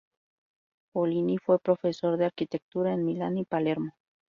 Pollini fue profesor de arquitectura en Milán y Palermo.